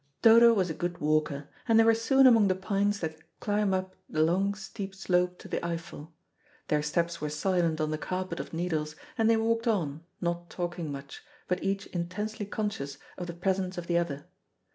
Dodo was a good walker, and they were soon among the pines that climb up the long steep slope to the Eiffel. Their steps were silent on the carpet of needles, and they walked on, not talking much, but each intensely conscious of the presence of the other.